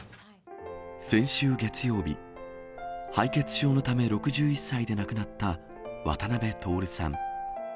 先週月曜日、敗血症のため、６１歳で亡くなった渡辺徹さん。